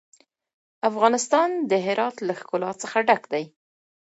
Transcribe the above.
افغانستان د هرات له ښکلا څخه ډک دی.